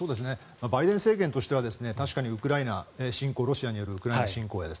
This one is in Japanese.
バイデン政権としては確かにロシアによるウクライナ侵攻